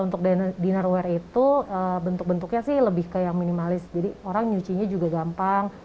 untuk dinnerware itu bentuk bentuknya sih lebih ke yang minimalis jadi orang nyucinya juga gampang